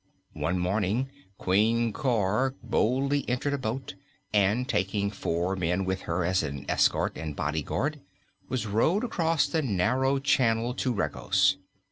One morning Queen Cor boldly entered a boat, and, taking four men with her as an escort and bodyguard, was rowed across the narrow channel to Regos.